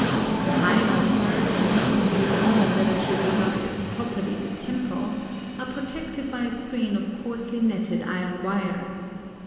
The high altar, and indeed all that I should regard as properly the temple, are protected by a screen of coarsely netted iron wire.